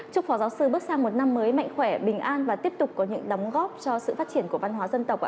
chúc phó giáo sư bước sang một năm mới mạnh khỏe bình an và tiếp tục có những đóng góp cho sự phát triển của văn hóa dân tộc